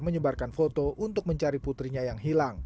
menyebarkan foto untuk mencari putrinya yang hilang